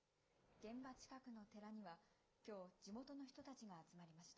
現場近くの寺には、きょう、地元の人たちが集まりました。